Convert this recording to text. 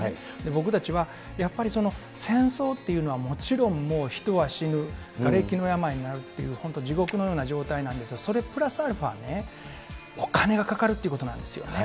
僕たちはやっぱり戦争っていうのはもちろんもう人は死ぬ、がれきの山になる、本当、地獄のような状態なんですが、それプラスアルファね、お金がかかるということなんですよね。